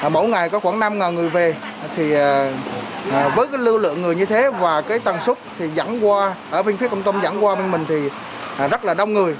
mỗi ngày có khoảng năm người về với lưu lượng người như thế và tầng súc ở bên phía cộng tâm dẫn qua bên mình thì rất là đông người